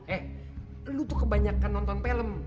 eh lu tuh kebanyakan nonton film